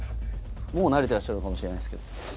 もう慣れてらっしゃるかもしれないですけど。